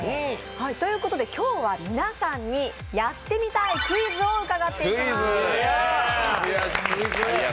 ということで今日は皆さんにやってみたいクイズを伺っていきます。